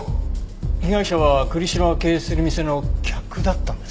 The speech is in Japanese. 被害者は栗城が経営する店の客だったんですね。